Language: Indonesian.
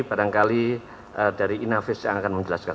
barangkali dari inavis yang akan menjelaskan